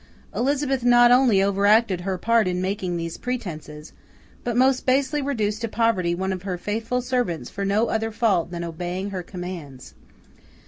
Elizabeth not only over acted her part in making these pretences, but most basely reduced to poverty one of her faithful servants for no other fault than obeying her commands.